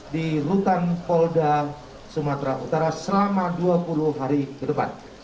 di rutan polda sumatera utara selama dua puluh hari ke depan